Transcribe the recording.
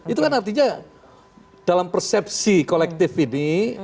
itu kan artinya dalam persepsi kolektif ini